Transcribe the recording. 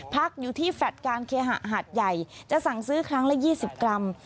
พักอยู่ที่แฟลตการเคหะหาดใหญ่จะสั่งซื้อครั้งละ๒๐กรัม